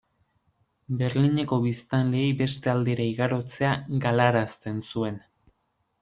Berlineko biztanleei beste aldera igarotzea galarazten zuen.